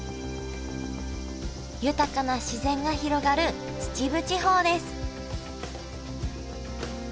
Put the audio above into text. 豊かな自然が広がる秩父地方です